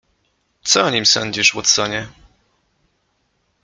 "Co o nim sądzisz, Watsonie?"